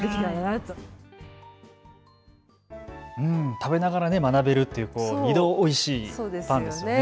食べながら学べるというのは２度おいしいパンですね。